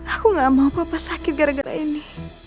aku gak mau papa sakit gara gara ini